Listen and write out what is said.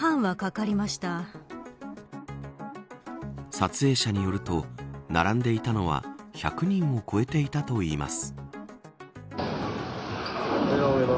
撮影者によると並んでいたのは１００人を超えていたといいます。